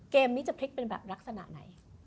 เกมนี้จะพลิกเป็นแบบลักษณะไหน